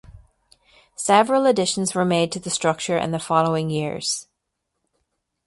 Several additions were made to the structure in the following years.